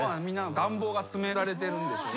願望が詰められてるんでしょうね。